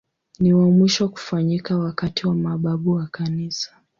Ni wa mwisho kufanyika wakati wa mababu wa Kanisa.